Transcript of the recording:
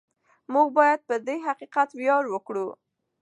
موږ باید پر دې حقیقت ویاړ وکړو.